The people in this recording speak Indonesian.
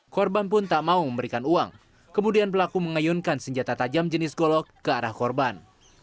korban pun tak mau memberikan uang kemudian pelaku mengayunkan senjata tajam jenis golok ke arah korban